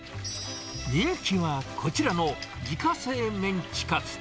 人気はこちらの自家製メンチカツ。